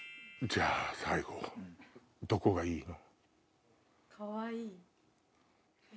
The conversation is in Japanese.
じゃあ最後どこがいいの？